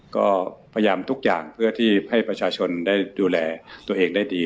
ก็พยายามทุกอย่างเพื่อที่ให้ประชาชนได้ดูแลตัวเองได้ดี